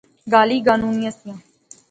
گالیں گانونیاں سیاں